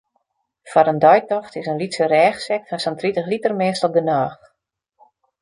Foar in deitocht is in lytse rêchsek fan sa'n tritich liter meastal genôch.